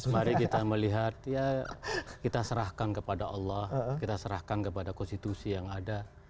mari kita melihat ya kita serahkan kepada allah kita serahkan kepada konstitusi yang ada